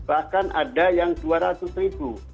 bahkan ada yang rp dua ratus